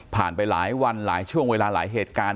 ไปหลายวันหลายช่วงเวลาหลายเหตุการณ์